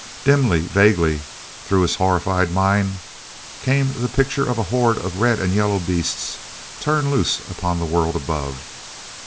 Dimly, vaguely, through his horrified mind, came the picture of a horde of red and yellow beasts turned loose upon the world above.